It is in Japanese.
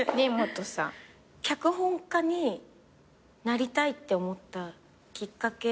脚本家になりたいって思ったきっかけ。